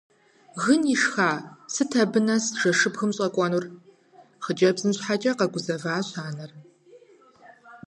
Гын ишха, сыт абы нэс жэщыбгым щӀэкӀуэнур? – хъыджэбзым щхьэкӀэ къэгузэващ анэр.